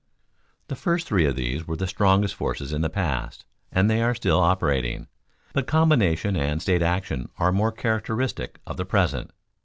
_ The first three of these were the strongest forces in the past and they are still operating; but combination and state action are more characteristic of the present.